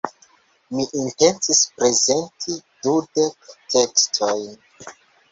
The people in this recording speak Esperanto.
Mi intencis prezenti dudek tekstojn.